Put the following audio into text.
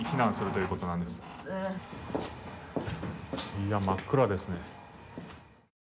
いや、真っ暗ですね。